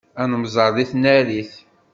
Ad nemmẓer deg tnarit.